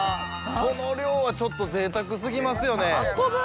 その量はちょっと贅沢過ぎますよね。